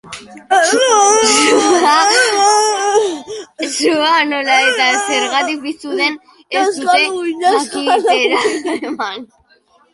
Sua nola eta zergatik piztu den ez dute jakitera eman.